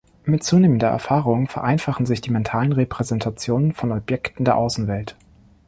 Mit zunehmender Erfahrung vereinfachen sich die mentalen Repräsentationen von Objekten der Außenwelt.